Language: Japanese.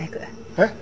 えっ？